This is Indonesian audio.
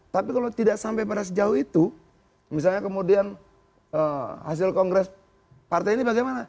tapi kalau tidak sampai pada sejauh itu misalnya kemudian hasil kongres partai ini bagaimana